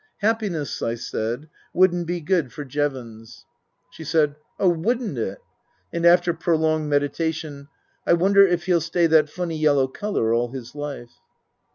Happiness, I said, wouldn't be good for Jevons. Book I : My Book 33 She said, " Oh, wouldn't it !" And, after prolonged meditation, " I wonder if he'll stay that funny yellow colour all his life."